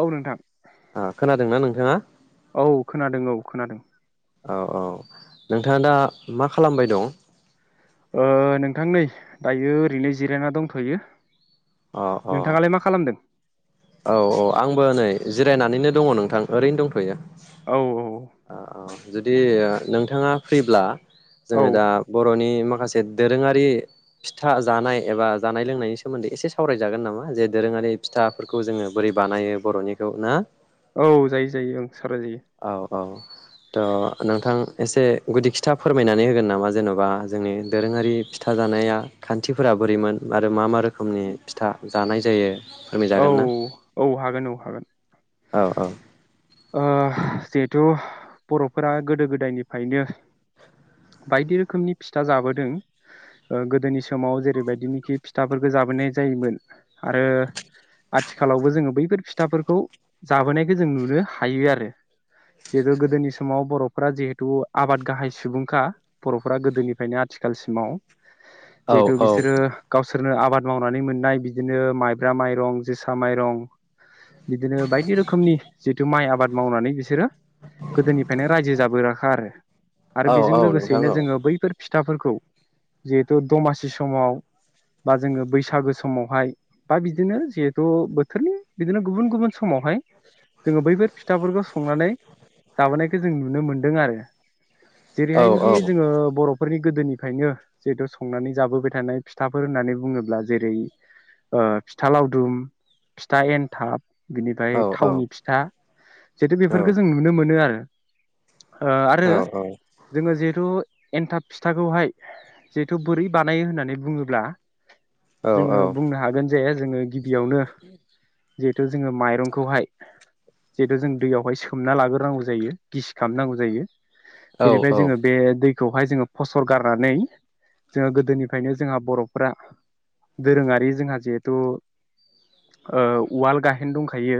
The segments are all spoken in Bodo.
औ नोंथां ओ खोनादोंना नों हो औ खोनादों औ खोनादों औ औ नोंथाङा दा मा खालामबाय दं ओ नोंथां नै दायो ओरैनो जिरायना दंथ'यो अ अ नोंथाङालाय मा खालामदों? औ औ आंबो नै जिरायनानैनो दङ नोंथां ओरैनो दंथ'यो। औ औ ओ औ जुदि ओ नोंथाङा फ्रिब्ला औ जोङो दा बर'नि माखासे दोरोङारि फिथा जानाय एबा जानाय लोंनायनि सोमोन्दै एसे सावरायजागोन नामा जे दोरोङारि फिथा फोरखौ जोङो बोरै बानायो बर'निखौ ना औ जायो जायो ओं सावराय जायो औ औ त' नोंथां एसे गुदि खिथा फोरमायनानै होगोन नामा जेन'बा जोंनि दोरोङारि फिथा जानाया खान्थिफोरा बोरैमोन आरो मा मा रोखोमनि फिथा जानाय जायो औ फोरमायजागोन ना औ हागोन औ हागोन औ औ ओ जिहेथु बर'फोरा गोदो गोदायनिफ्रायनो बायदि रोखोमनि फिथा जाबोदों ओ गोदोनि समाव जेरैबायदिनोखि फिथाफोरखौ जाबोनाय जायोमोन आरो आथिखालावबो जोङो बैफोर फिथाफोरखौ जाबोनायखौ जों नुनो हायो आरो जिहेतु गोदोनि समाव बर'फोरा जिहेथु आबाद गाहाय सुबुंखा बर'फोरा गोदोनिफ्रायनो आथिखालसिमाव औ जिहेथु बिसोरो गावस सोरनो आबाद मावनानै मोननाय बिदिनो माइ ब्रा माइरं जोसा माइरं बिदिनो बायदि रोखोमनि जिथु माइ आबाद मावनानै बिसोरो गोदोनिफ्रायनो रायजो जाबोराखा आरो आरो औ बेजों औ नोंथां लोगोसेयैनो जोङो बैफोर फि फिथाफोरखौ जिहेथु दमासि समाव बा जोङो बैसागो समावहाय बा बिदिनो जिहेथु बोथोरनि बिदिनो गुबुन गुबुन समावहाय जोङो बैफोर फिथाफोरखौ संनानै जाबोनायखौ जों नुनो मोनदों आरो। औ जेरैहायनोखि जोङो बर' फोरनि गोदोनिफ्रायनो जिहेथु संनानै जाबोबाय थानाय फिथाफोर होननानै बुङोब्ला जेरै ओ फिथा लावदुम फिथा एन्थाब औ बिनिफ्राय औ थावनि फिथा जिेतु बेफोरखो जों नुनो मोनो आरो ओ आरो औ जोङो जिहेथु एन्थाब फिथाखौहाय जिहेथु बोरै बानायो होननानै बुङोब्ला औ जोङो बुंनो हाग बोन जाया जोङो गिबियावनो जिहेथु जोङो माइरंखौहाय जिहेतु जों दैयावहाय सोमना लाग्रोनांगौ जायो गिसि खालामनांगौ जायो। औ बेनिफ्राय औ जोङो बे दै खौहाय जोङो फसर गारनानै जोङो गोदोनिफायनो जोंहा बर'फ्रा दोरोङारि जोंहा जिहेतु ओ उवाल गाहेन दंखायो।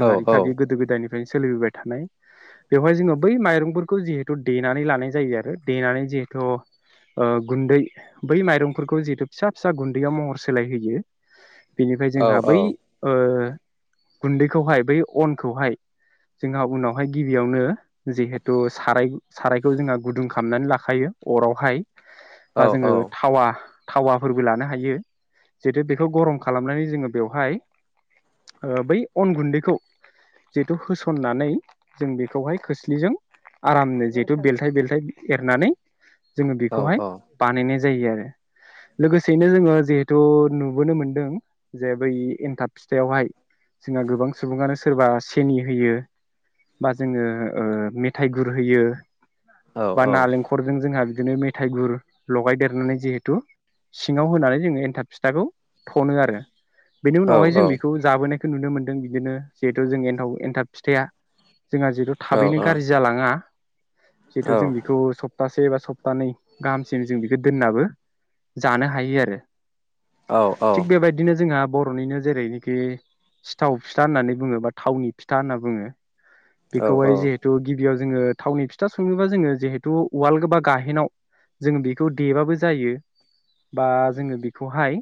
औ औ बे गोदो गोदायनिफ फाय सोलिबोबाय थानाय बेवहाय जोङो बै माइरंफोरखौ जिहेथु देनानै लानाय जायो आरो देनानै जिहेथु ओ गुन्दै बै माइरंफोरखौ जिहेथु फिसा फिसा गुन्दैयाव महर सोलाय होयो। [unintelligible] बिनिफ्राय जोंहा औ बै औ ओ गुन्दैखौहाय बै अनखौहाय जोंहा उनावहाय गिबियावनो जिहेतु साराय सारायखौ जोंहा गुदुं खालामनानै लाखायो अरावहाय। बा जोङो थावा थावाफोरबो लानो हायो। जिहेतु बेखौ गरम खालामनानै जोङो बेवहाय ओ बै अन गुन्दैखौ जिहेतु होसननानै जों बेखौहाय खोस्लिजों आरामनो जिहेथु बेलथाय बेलथाय एरनानै जोङो बेखौहाय बानायनायज जायो आरो लोगोसेनो जोङो जिहेत तु नुबोनो मोनदों जे बै एनथाब फिथायावहाय जोंहा गोबां सुबुङानो सोरबा सेनि होयो बा जोङो ओ मेथाइ गुर होयो। बा नालेंखरजों जोंहाब बिदिनो मेथाइ गुर लगायदेरनानै जिहेतु सिङाव होनानै जोंङो एन्थाब फिथाखौ थनो आरो बेनि उनावहाय जों बेखौ जाबोनाय खो नुनो मोनदों बिदिनो जिहेथु जों एथाव एनथाब फिथाया जोंहा जिहेतु थाबैनो गाज्रि जालाङा जितु जों बेखौ सप्तासे बा स सप्तानै गाहामसिम जों बिखो दोननाबो जानो हायो आरो थिग बेबायदिनो जोंहाब बर'निनो जेरैनोकि सिथाव फिथा होननानै बुङो बा थावनि फिथा होनना बुङो। बिखौहाय जिहेतु गिब बियाव जोङो थावनि फिथा सङोबा जोङो जहेतु उवाल बा गाहेनाव जों बेखौ देबाबो जायो बा जोंङो बिक खौहाय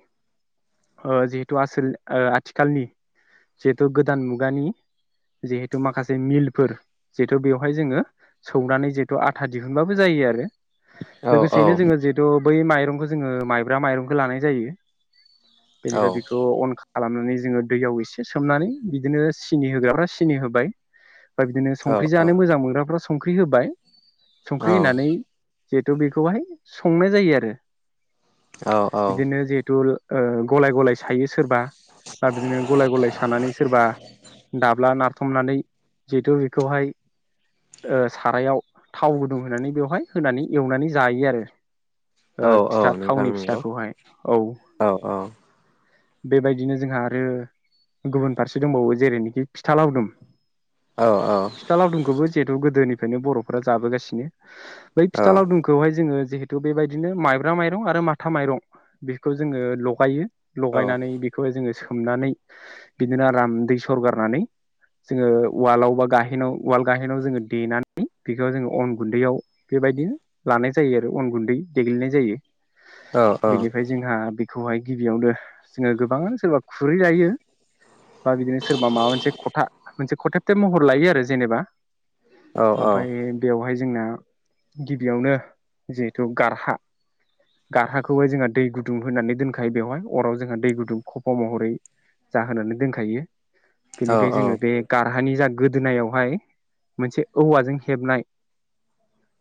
ओ जिहेथु आसोल ओ आथिखालनि जिहेतु गोदान मुगानि जिहेतु माखासे मिलफोर जिहेतु बेवहाय जोङो सौनानै जिहेतु आथा दिहुनबाबो जायो आरो लोगोसेयैनो जोङो जिहेतुब बै माइरंखो जोङो माइब्रा माइर लानाय जायो। बेनिफ्राय बिखौ अन। खालामनानै जोङो दैयाव एसे सोमनानै बिदिनो सिनि होग्राफ्रा सिनि होबाय। बिब्दिनो औ संख्रि जानो मोजां मोनग्राफ्रा। संख्रि होबाय। औ संख्रि होनानै। जिहेथु बेखौहाय संनाय जायो आरो। औ। औ बिदिनो जेहेथु। ओ गलाय गलाय सायो सोरबा। दा बिदिनो गलाय गलाय सानानै सोरबा दाब्ला नारथ'। हमनानै जिहेतु बेखौहाय ओ सारायाव थाव गुदुं होनानै बेवहाय होनानै एवनानै जायो आरो। औ ओ फिथा औ नोंथां थावनि नंगौ फिथाखौहाय। औ औ। बेबायदिनो जोंहा आरो गुबुन फारसे दंबावो जेरैनोखि फिथा लावदुम। औ फिथा लावदुमखौबो जेहेथु' गोदोनि खायनो बर'फ्रा जाबोगासिनो। बै औ फिथा लावदुमखौहाय जोङो। जिहेथु बेबायदिनो माइब्रा माइरं आरो माथा माइरं। बेखौ जोङो लगायो। औ लगायनानै बेखौहाय जोङो। हुमनानै बिदिनो आराम दै सरगारनानै जोङो उवालाव बा गाहेनाव उवाल गाहेनाव जोङो देनानै बेखौ जोङो अन गुन्दैयाव बेबायदिनो लानाय जायो आरो अन गुन्दै देग्लिनाय जायो। औ बिनिफ्राय जोंहा। खौहाय गिबियावनो जोङो गोबाङानो सोरबा खुरै लायो। बा बिदिनो सोरबा माबा मोनसे खथा। मोनसे खथेबथेब महर लायो आरो जेनेबा। औ ओमफ्राय बेवहाय। जोंना गिबियावनो जिहेथु गारहा गारहा। खौहाय जोंहा दै गुदुं होनानै दोनखायो बेवहाय अराव जोंहा दै गुदुं खफ' महरै जाहोनानै दोनखायो। बेनिफ्राय औ जोङो बे गार हानि जा गोदोनायावहाय मोनसे औवाजों हेबनाय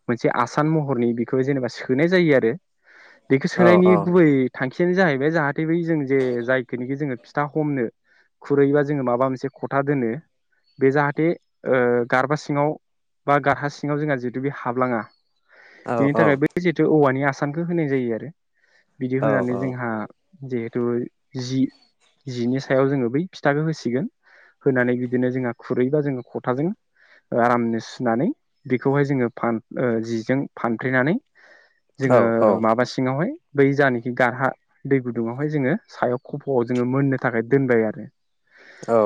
मोनसे आसान महरनि बेखौ जेनेबा सोनाय जायो आरो। बेखौ सोनायनि गुबै। थांखियानो जाहैबाय जाहाथे बै जों जे जायखौनिखि जोङो फिथा हमनो खुरैबा जोङो माबा मोनसे खथा दोनो बे जाहाथे ओ गारबा सिङाव बा गारहा सिङाव जोंहा जिहेतु बे हाबलाङा। बेनि थाखाय बे जिथु औवानि आ सानखो होनाय जायो आरो। [inaudible] बिदि होनानै जोंहा जिहेथु जि-जिनि सायाव जोङो बै फिथाखौ होसिगोन होनानै बिदिनो जोंहा खुरैबा जोङो खथाजों ओ आरामनो सुनानै बेखौहाय जोङो फान-ओ जिजों फानफ्रेनानै जोङो माबा सिं वाहाय बै जानाखि गारहा दै गुदुङावहाय जोङो सायाव खफ'आव जोङो मोननो थाखाय दोनबाय आरो।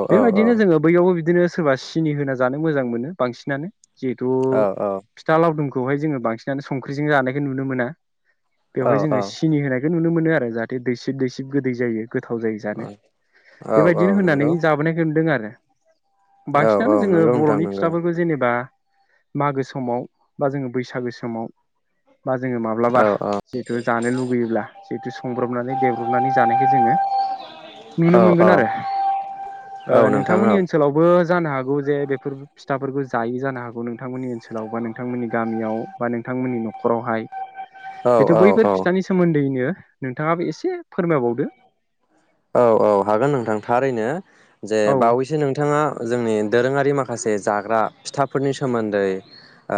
बेबायदिनो जोङो बैयावबो बि दिनो सोरबा सिनि होना जानो मोजां मोनो बांसिनानो। जिहेथु फिथा लावदुमखौ बेहाय जोङो बांसिनानो संख्रिजों जानायखौ नुनो मोनो। बेवहाय जोङो सिनि होनायखौ नुनो मोनो आरो जाहाथे दैसिब-दैसिब गोदै जायो। गोथाव जायो जानो औ औ बेबायदिनो होननानै नंगौ जाबोनायखौ नुदों आरो। औ औ बांसिनानो जोङो नंगौ नोंथां बर'नि नंगौ फिथाफोरखौ जेनेबा मागो समाव बा जोङो बैसागो समाव बा जोङो औ माब्लाबा जिहेथु जानो लुुबैयोब्ला जिहेथु सं ब्रबनानै देब्रबनानै जानायखौ जोङो औ नुनो औ मोनगोन औ आरो। ओ औ नोंथां नोंथांमोननि औ ओनसोलावबो जानो हागौ जे बेफोर फिथाफोरखौ जायै जानो हागौ नोंथांमोननि ओनसोलाव बा नोंथांमोननि गामियाव बा नोंथांमोननि न'खरावहाय। औ जिहेथु औ बैफोर औ फिथानि सोमोन्दैनो नोंथाङाबो एसे फोरमायबावदो। औ औ हागोन नोंथां थारैनो जे औ बावैसो नोंथाङा जोंनि दोरोङारि माखासे जाग्रा फिथाफोरनि सोमोन्दै ओ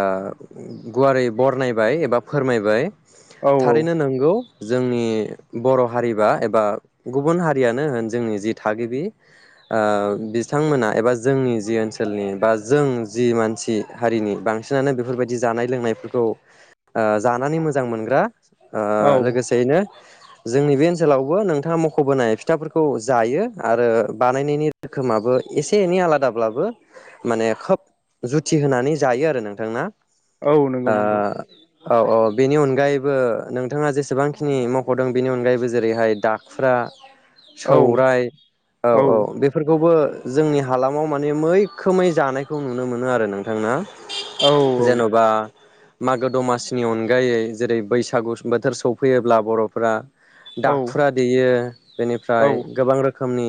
गुवारै बरनायबाय एबा फोरमायबाय। औ थारैनो नोंगौ। जोंनि बर' हारि बा एबा गुबुन हारियानो होन जोंनि जि थागिबि ओ बिथांमोना एबा जोंनि जि ओनसोलनि बा जों जि मानसि हारिनि बांसिनानो बेफोरबायदि जानाय-लोंनायफोरखौ ओ जानानै मोजां मोनग्रा ओ औ लोगोसेयैनो जोंनि बे ओनसोलावबो नोंथाङा मख' बोनाय फिथाफोरखौ जायो। आरो बानायनायनि रोखोमाबो एसे एनै आलादाब्लाबो माने खोब जुथि होनानै जायो आरो नोंथां ना? औ नोंगौ ओ नोंगौ औ औ बेनि अनगायैबो नोंथाङा जेसेबांखिनि मावख'दों बेनि अनगायैबो जेरैहाय-दाखुरा [inaudible] औ सौराय औ औ-औ बेफोरखौबो जोंनि हालामाव माने मैखोमै जानायखौ नुनो मोनो आरो नोंथां ना औ जेन'बा मागो दमासिनि अनगायै जेरै बैसागु बोथोर सौफैयोब्ला बर'फ्रा औ दाखुरा देयो बेनिफ्राय औ गोबां रोखोम रोखोमनि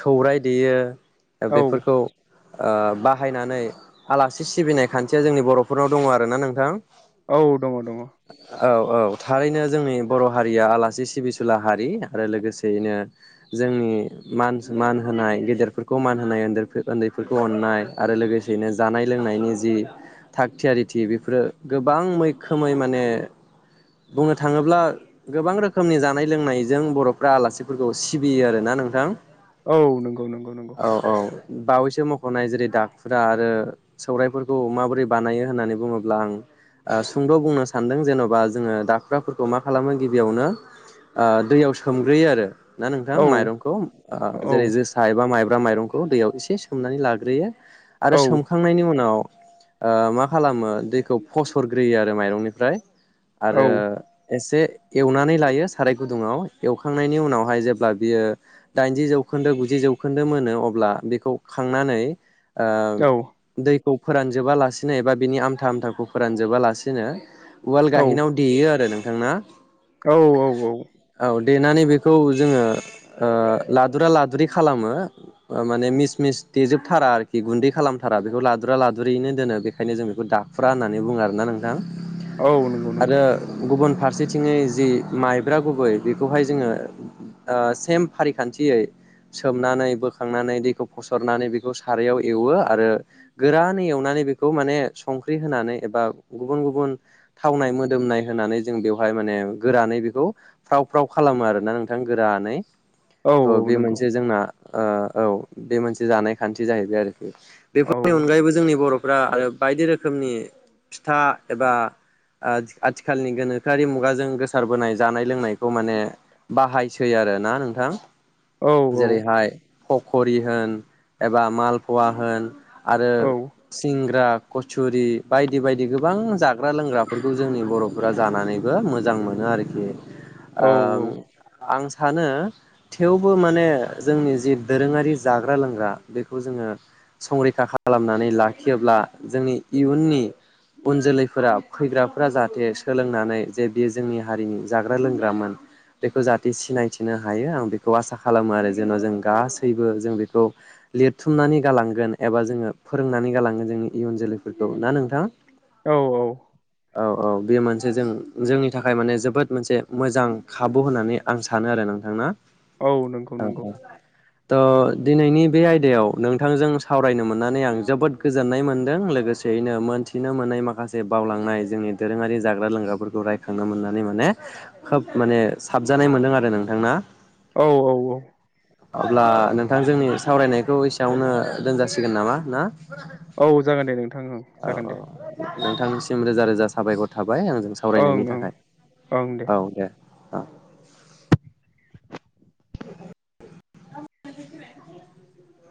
सौराइ देयो औ बेफोरखौ ओ बाहायनानै आलासि सिबिनाय खान्थिया जोंनि बर'फोरनाव दङ आरोना नोंथां औ दङ दङ औ औ थारैनो जोंनि बर' हारिया आलासि सिबिसुला हारि आरो लोगोसे यैनो जोंनि मान मान होनाय गेदेरफोरखौ मान होनाय उन्दै उन्दैफोरखौ अननाय आरो लोगोसेयैनो जानाय लोंनायनि जि थाग थियारिथि बेफोरो गोबां मैखोमै माने बुंनो थाङोब्ला गोबां रोखोमनि जानाय लोंनायजों बर'फ्रा आलासिफोरखौ सिबियो आरोना नोंथां औ नंगौ नंगौ नंगौ औ औ बावैसो मख'नाय जेरै दाखुरा आरो सौरायाइफोरखौ माबोरै बानायो होननानै बुङोब्ला आं ओ सुंद' बुंनो सानदों जेन'बा जोङो दाखुराफोरखौ मा खालामो गिबियावनो ओ दैयाव सोमग्रोयो आरो ना नोंथां औ माइरंखौ आ औ जेरै जोसा एबा माइ माइरंखौ दैयाव एसे सोमनानै लाग्रोयो आरो सोमखांनायनि उनाव ओ मा खालामो दैखौ फसरग्रोयो आरो माइरंनिफ्राय औ आरो एसे एवनानै लायो साराय गुदुङाव एवखांनायनि उनावहाय जेब्ला बियो दाइनजि जौखोन्दो गुजि जौखोन्दो मोनो अब्ला बेखौ खांनानै आ औ दै खौ फोरानजोबालासिनो एबा बिनि आमथा आमथाखौ फोरानजोबालासिनो उवाल गाहेनाव हैयो आरो नोंथां ना औ औ औ औ देनानै बेखौ जोङो ओ लादुरा लादुरि खालामो माने मिस मिस देेजोबथारा आरोखि गुन्दै खालामथारा बेखौ लादुरा लादुरियैनो दोनो बेखायनो जों बेखौ दाखुरा होन्नानै बुङो आरो ना नोंथां औ नों आरो गुबुन फार सेथिङै जि माइब्रा गुबै बेखौहाय जोङो ओ सेम फारिखान्थियै सोमनानै बोखांनानै दैखौ फसरनानै बेखौ सारायाव एवो आरो गोरानै एवनानै बेखौ माने संख्रि होनानै एबा गुबुन गुबुन थावनाय लोमनाय होनानै जों बेवहाय माने गोरानै बेखौ फ्राव फ्राव खालामो आरोना नोंथां गोरानै औ थ' औ बे नंगौ मोनसे जोंना ओ औ बे मोनसे जानाय खान्थि जाहैबाय आरो औ बेफोरनि अनगायैबो जोंनि बर' फ्रा आरो बायदि रोखोमनि फिथा एबा ओ आथिखालनि गोनोखोआरि मुगाजों गोसारबोनाय जानाय लोंनायखौ माने बाहायसै आरो ना नोंथां? औ औ जेरैहाय फखरि होन एबा माल फवा होन आरो औ सिंग्रा कचुरि बायदि बायदि गोबां जाग्रा लोंग्राफोरखौ जोंनि बरफोरा जानानैबो मोजां मोनो आरोखि औ ओम आं सा सानो थेवबो माने जोंनि जि दोरोङारि जाग्रा लोंग्रा बेखौ जोङो संरैखा खालामनानै लाखियोब्ला जोंनि इयुननि उन जोलैफोरा फैग्रा फोरा जाहाथे सोलोंनानै जे बे जोंनि हारिनि जाग्रा लोंग्रामोन बेखौ जाहाथे सिनायथिनो हायो आं बेखौ आसा खालामो आरो जेन जों गासैबो जों बेखौ लिरथुमनानै गालांगोन एबा जोङो फोरोंनानै गालांगोन जोंनि इयुन जोलैफोरखौ ना नोंथां औ औ औ औ बेयो मोनसे जों जोंनि थाखाय माने जोबोद मोनसे मोजां खाबु होननानै आं सानो आरो नोंथांना औ नंगौ नंगौ त दिनैनि बे आयदायाव नोंथांजों सावरायनो मोननानै आं जोबोद गोजोननाय मोनदों लोगोसेयैनो मोनथिनो मोननाय माखासे बावलांनाय जोंनि दोरोङारि जाग्रा लोंग्राफोरखौ रायखांनो मोननानै माने खोब माने साबजानाय मोनदों आरो नोंथां ना औ औ औ अब्ला नोंथां जोंनि सावरायनायखौ एसेयावनो दोनजासिगोन नामा ना? औ जागोन दे नोंथां ओं [inaudible] औ जागोन औ दे नोंथांसिम रोजा रोजा साबायखर थाब बाय आंजों ओं सावरायनायनि ओं थाखाय औ दे आ आ